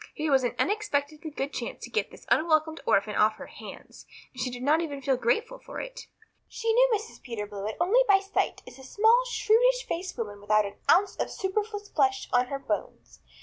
Here was an unexpectedly good chance to get this unwelcome orphan off her hands, and she did not even feel grateful for it. She knew Mrs. Peter Blewett only by sight as a small, shrewish faced woman without an ounce of superfluous flesh on her bones.